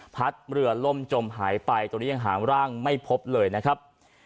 พัดเรือล่มจมหายไปตรงนี้ยังหาร่างไม่พบเลยนะครับ